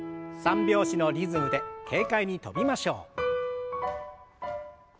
３拍子のリズムで軽快に跳びましょう。